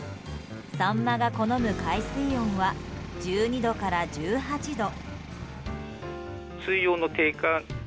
サンマが好む海水温は１２度から１８度。